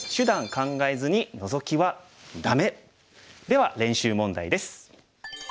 では練習問題です。